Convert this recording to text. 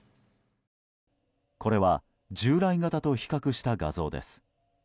これは従来型と比較した画像です。